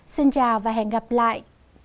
xin chào và hẹn gặp lại